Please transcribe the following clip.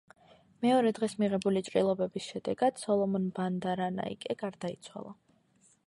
მეორე დღეს მიღებული ჭრილობების შედეგად სოლომონ ბანდარანაიკე გარდაიცვალა.